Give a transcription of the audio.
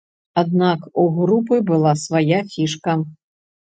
Аднак у групы была свая фішка.